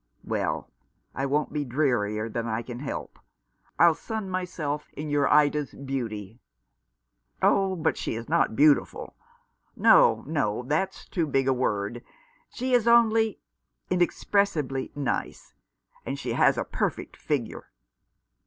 "Well, I won't be drearier than I can help. I'll sun myself in your Ida's beauty." "Oh, but she is not beautiful. No, no, that's too big a word. She is only — inexpressibly nice ; and she has a perfect figure."